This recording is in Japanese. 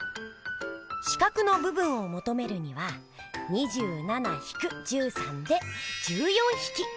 四角のぶ分をもとめるには２７ひく１３で１４ひき！